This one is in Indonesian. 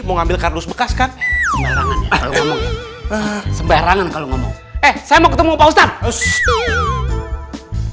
mau ngambil kardus bekas kan kalau ngomong ngomong eh saya mau ketemu pak ustadz